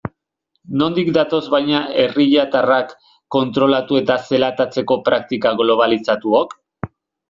Nondik datoz baina herriatarrak kontrolatu eta zelatatzeko praktika globalizatuok?